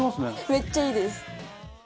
めっちゃいいです！